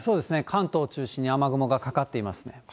関東を中心に雨雲がかかっています。